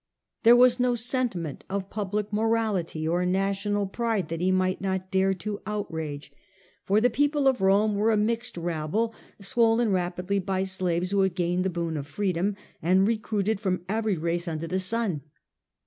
There was no sentiment of public morality or national pride that he might not dare to outrage, for the people of Rome were a mixed rabble, swollen rapidly by slaves who had gained the boon of freedom, and recruited from every race under the sun.